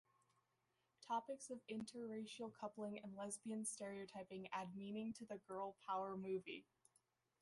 Topics of interracial coupling and lesbian stereotyping add meaning to the girl power movie.